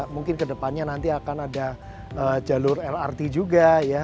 mungkin ke depannya nanti akan ada jalur lrt juga